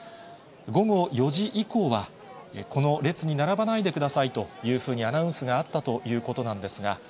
午後４時以降は、この列に並ばないでくださいというふうにアナウンスがあったということなんですが、